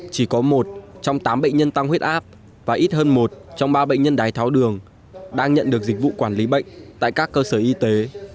chỉ có một trong tám bệnh nhân tăng huyết áp và ít hơn một trong ba bệnh nhân đái tháo đường đang nhận được dịch vụ quản lý bệnh tại các cơ sở y tế